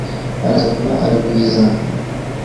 arasoroma aragwiza